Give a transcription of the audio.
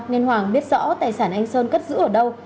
nên hoàng biết rõ tài sản anh sơn cất giữ ở đâu